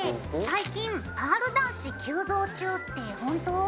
最近パール男子急増中って本当？